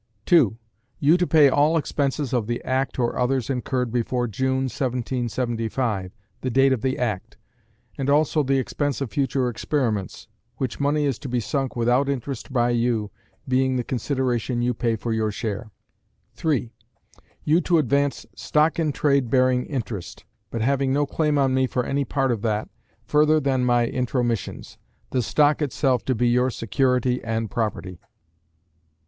2. You to pay all expenses of the Act or others incurred before June, 1775 (the date of the Act), and also the expense of future experiments, which money is to be sunk without interest by you, being the consideration you pay for your share. 3. You to advance stock in trade bearing interest, but having no claim on me for any part of that, further than my intromissions; the stock itself to be your security and property.